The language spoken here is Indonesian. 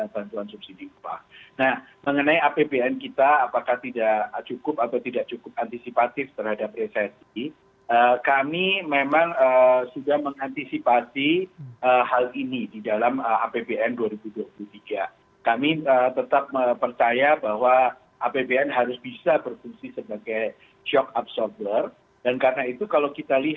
kasihan indonesia newsroom akan segera kembali